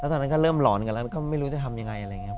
ตอนนั้นก็เริ่มหลอนกันแล้วก็ไม่รู้จะทำยังไงอะไรอย่างนี้ครับ